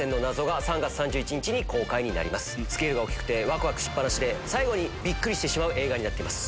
スケールが大きくてワクワクしっ放しで最後にびっくりしてしまう映画になってます。